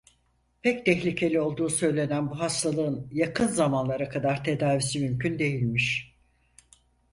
Pek tehlikeli olduğu söylenen bu hastalığın yakın zamanlara kadar tedavisi mümkün değilmiş.